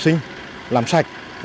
chúng tôi tập trung rất là nhiều